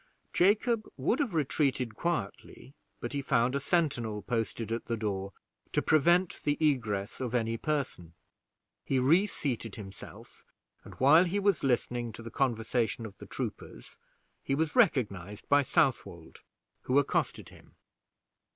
Jacob would have retreated quietly, but he found a sentinel posted at the door to prevent the egress of any person. He reseated himself, and while he was listening to the conversation of the troopers he was recognized by Southwold, who accosted him.